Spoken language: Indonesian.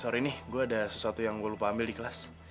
sorry nih gue ada sesuatu yang gue lupa ambil di kelas